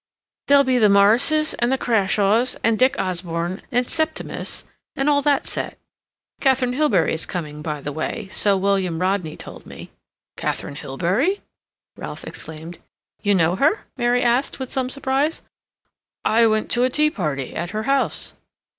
"There'll be the Morrises and the Crashaws, and Dick Osborne, and Septimus, and all that set. Katharine Hilbery is coming, by the way, so William Rodney told me." "Katharine Hilbery!" Ralph exclaimed. "You know her?" Mary asked, with some surprise. "I went to a tea party at her house."